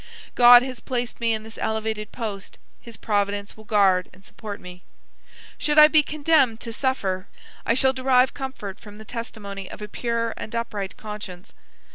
God has placed me in this elevated post; his providence will guard and support me. Should I be condemned to suffer, I shall derive comfort from the testimony of a pure and upright conscience.